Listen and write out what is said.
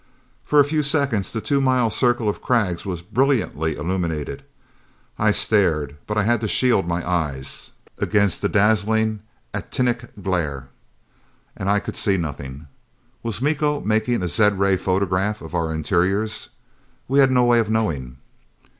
For a few seconds the two mile circle of crags was brilliantly illumined. I stared, but I had to shield my eyes against the dazzling actinic glare, and I could see nothing. Was Miko making a zed ray photograph of our interiors? We had no way of knowing.